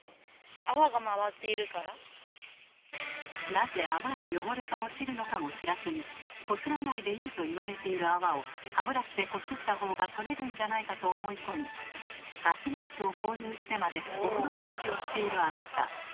なぜ泡で汚れが落ちるのかも知らずにこすらないでいいと言われている泡を歯ブラシでこすった方が取れるんじゃないかと思い込みガスマスクを購入してまでお風呂掃除をしているあなた。